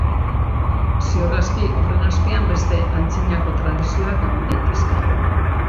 Ziur aski horren azpian beste antzinako tradizioak egon daitezke.